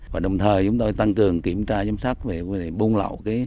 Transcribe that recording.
và đồng thời chúng tôi tăng cường kiểm tra giám sát về bùng lỏ